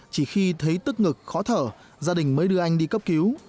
chỉ khi thấy tức ngực khó thở gia đình mới đưa anh đi cấp cứu